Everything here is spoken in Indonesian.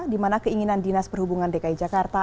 di mana keinginan dinas perhubungan dki jakarta